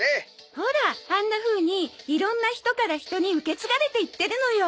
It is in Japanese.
ほらあんなふうにいろんな人から人に受け継がれていっているのよ。